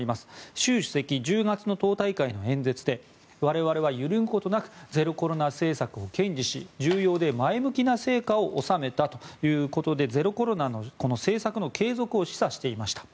習主席１０月の党大会の演説で我々は揺るぐことなくゼロコロナ政策を堅持し重要で前向きな成果を収めたということでゼロコロナ政策の継続を示唆していました。